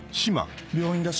病院だし。